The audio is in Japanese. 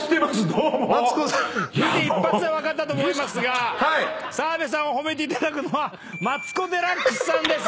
見て一発で分かったと思いますが澤部さんを褒めていただくのはマツコ・デラックスさんです。